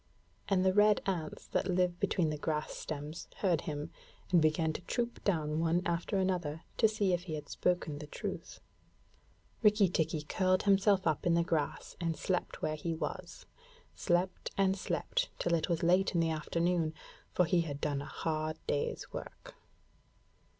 And the red ants that live between the grass stems heard him, and began to troop down one after another to see if he had spoken the truth. Rikki tikki curled himself up in the grass and slept where he was slept and slept till it was late in the afternoon, for he had done a hard day's work.